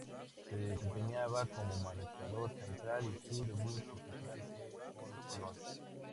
Se desempeñaba como marcador central, y su debut profesional fue con Colón.